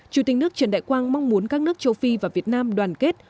chủ tịch nước trần đại quang mong muốn các nước châu phi và việt nam đoàn kết